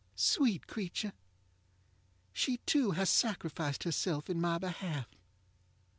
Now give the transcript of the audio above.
ŌĆØ Sweet creature! she too has sacrificed herself in my behalf.